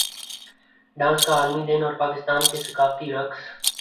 dance کا عالمی دن اور پاکستان کے ثقافتی رقص